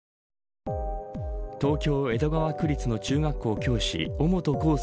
東京、江戸川区立の中学校教師尾本幸祐